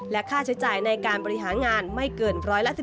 ค่าใช้จ่ายในการบริหารงานไม่เกิน๑๑